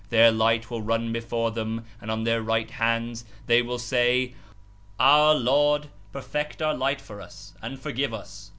Their light will run before them and on their right hands; they will say: Our Lord! Perfect our light for us, and forgive us!